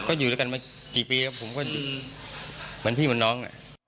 ก็อยู่ด้วยกันมากี่ปีแล้วผมก็เหมือนพี่เหมือนน้อง